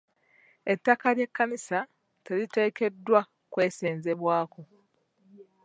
Ettaka ly'ekkanisa teriteekeddwa kwesenzebwako.